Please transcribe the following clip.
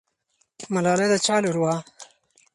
ملالۍ د چا لور وه؟